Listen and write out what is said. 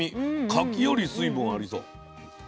柿より水分ありそう。